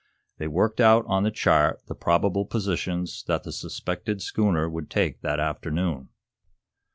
They worked out on the chart the probable positions that the suspected schooner would take that afternoon.